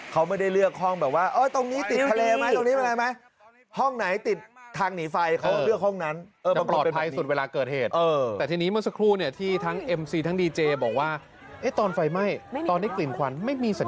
เขาไม่ได้เลือกห้องแบบว่าตรงนี้ติดทะเลไหมตรงนี้เป็นอะไรไหม